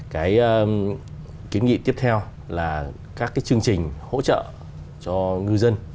cái kiến nghị tiếp theo là các cái chương trình hỗ trợ cho ngư dân